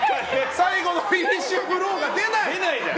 最後のフィニッシュブローが出ない。